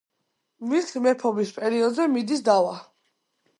მისი მეფობის პერიოდზე მიდის დავა.